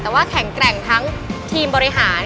แต่ว่าแข็งแกร่งทั้งทีมบริหาร